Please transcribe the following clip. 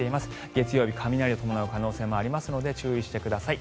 月曜日、雷を伴う可能性もありますので注意してください。